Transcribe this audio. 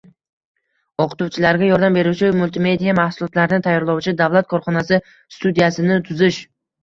o‘qituvchilarga yordam beruvchi multimedia mahsulotlarini tayyorlovchi davlat korxonasi – studiyasini tuzish.